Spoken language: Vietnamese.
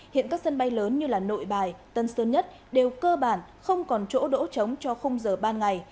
hiện các sân bay lớn như nội bài tân sơn nhất đều cơ bản không còn chỗ đỗ chống cho không giờ ban ngày